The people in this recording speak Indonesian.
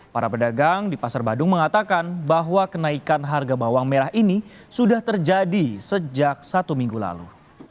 para pedagang di pasar badung mengatakan bahwa kenaikan harga bawang merah ini sudah terjadi sejak satu minggu lalu